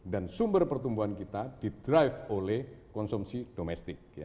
dan sumber pertumbuhan kita di drive oleh konsumsi domestik